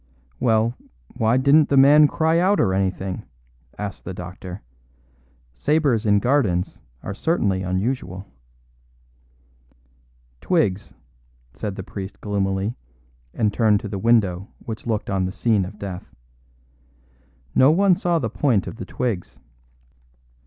"Well, why didn't the man cry out or anything?" asked the doctor; "sabres in gardens are certainly unusual." "Twigs," said the priest gloomily, and turned to the window which looked on the scene of death. "No one saw the point of the twigs.